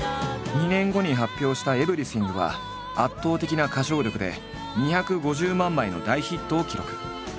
２年後に発表した「Ｅｖｅｒｙｔｈｉｎｇ」は圧倒的な歌唱力で２５０万枚の大ヒットを記録。